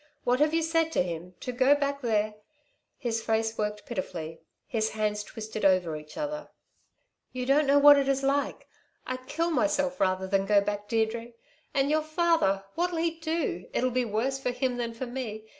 "What have you said to him? To go back there " His face worked pitifully; his hands twisted over each other. "You don't know what it is like. I'd kill myself rather than go back, Deirdre. And your father! What'll he do? It'll be worse for him than for me.